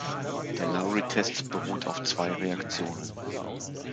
Der Lowry-Test beruht auf zwei Reaktionen.